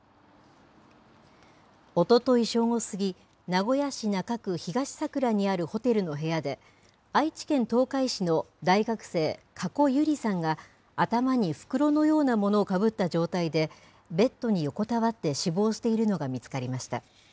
おととい正午過ぎ、名古屋市中区東桜にあるホテルの部屋で、愛知県東海市の大学生、加古結莉さんが、頭に袋のようなものをかぶった状態で、ベッドに横たわって死亡しているのが見つかりました。